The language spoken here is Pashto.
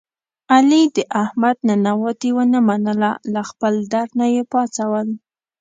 علي د احمد ننواتې و نه منله له خپل در نه یې پا څول.